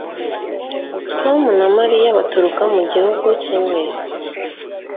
Tom na Mariya baturuka mu gihugu kimwe